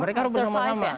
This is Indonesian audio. mereka harus bersama sama